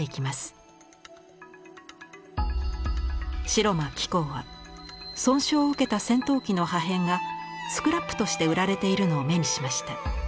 城間喜宏は損傷を受けた戦闘機の破片がスクラップとして売られているのを目にしました。